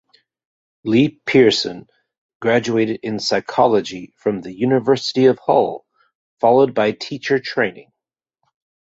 Lea Pearson graduated in Psychology from the University of Hull followed by teacher training.